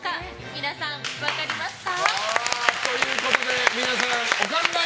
皆さん、分かりますか？